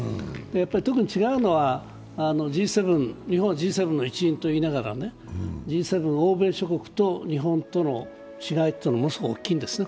特に違うのは、日本はＧ７の一員と言いながらＧ７欧米諸国と日本との違いっていうのはものすごく大きいんですよね。